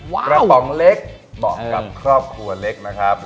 กระป๋องเล็กเหมาะกับครอบครัวเล็กนะครับ